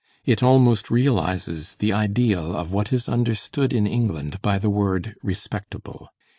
It almost realizes the ideal of what is understood in England by the word "respectable."